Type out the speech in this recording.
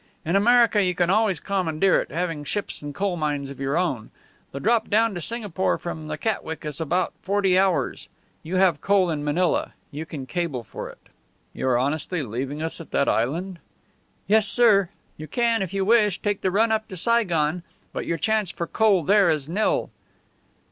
In America you can always commandeer it, having ships and coal mines of your own. The drop down to Singapore from the Catwick is about forty hours. You have coal in Manila. You can cable for it." "You are honestly leaving us at that island?" "Yes, sir. You can, if you wish, take the run up to Saigon; but your chance for coal there is nil."